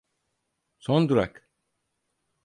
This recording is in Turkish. Son durak.